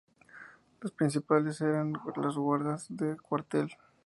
Los principales eran los guardas de cuartel.